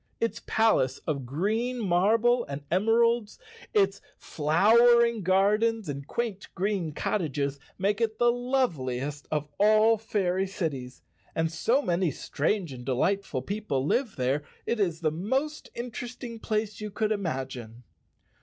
Its palace of green marble and emeralds, its flowering gardens and quaint green cottages make it the loveliest of all fairy cities, and so many strange and delightful people live there it is the most interest¬ ing place you could imagine.